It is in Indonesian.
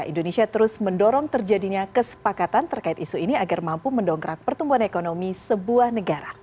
indonesia terus mendorong terjadinya kesepakatan terkait isu ini agar mampu mendongkrak pertumbuhan ekonomi sebuah negara